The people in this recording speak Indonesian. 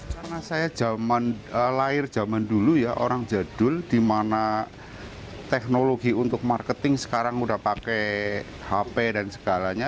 karena saya lahir zaman dulu ya orang jadul di mana teknologi untuk marketing sekarang udah pakai hp dan segalanya